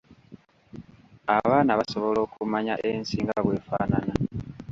Abaana basobola okumanya ensi nga bw'efaanana.